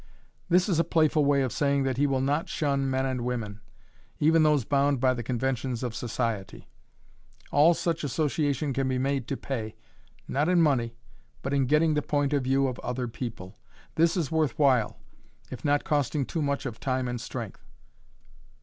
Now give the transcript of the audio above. This is a playful way of saying that he will not shun men and women, even those bound by the conventions of society. All such association can be made to pay not in money but in getting the point of view of other people. This is worth while if not costing too much of time and strength.